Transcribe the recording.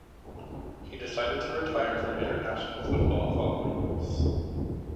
He decided to retire from international football following this.